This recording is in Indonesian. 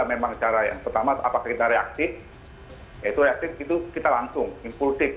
memang cara yang pertama apakah kita reaktif ya itu reaktif itu kita langsung impulsif